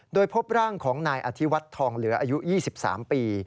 โดยพบร่างของนายอธิวัฒน์ทองเหลืออายุ๒๓ปี